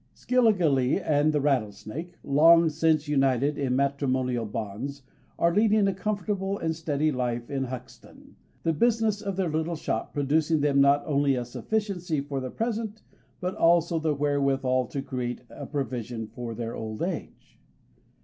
Skilligalee and the Rattlesnake, long since united in matrimonial bonds, are leading a comfortable and steady life in Hoxton, the business of their little shop producing them not only a sufficiency for the present, but also the wherewith to create a provision for their old age.